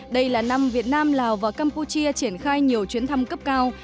đây là năm việt nam lào và campuchia triển khai nhiều chuyến thăm cấp cao